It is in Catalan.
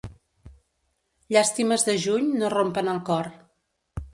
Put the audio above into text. Llàstimes de lluny no rompen el cor.